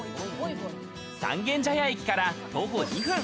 三軒茶屋駅から徒歩２分。